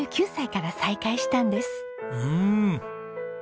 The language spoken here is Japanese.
うん。